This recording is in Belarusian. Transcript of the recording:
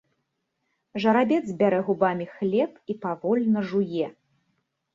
Жарабец бярэ губамі хлеб і павольна жуе.